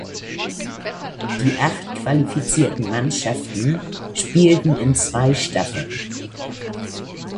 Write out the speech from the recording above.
Die acht qualifizierten Mannschaften spielten in zwei Staffeln.